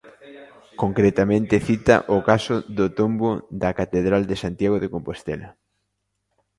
Concretamente cita o caso do Tombo da Catedral de Santiago de Compostela.